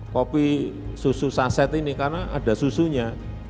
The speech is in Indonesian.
kopi susu saset ini karena ada susunya